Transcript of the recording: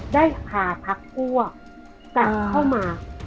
ได้พาพักพวกกลับเข้ามา